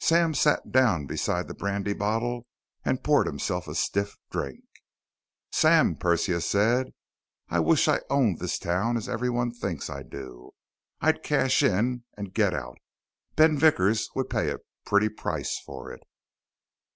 Sam sat down beside the brandy bottle and poured himself a stiff drink. "Sam," Persia said, "I wish I owned this town as everyone thinks I do. I'd cash in and get out. Ben Vickers would pay a pretty price for it."